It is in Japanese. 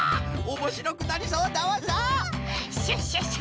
おもしろくなりそうだわさ！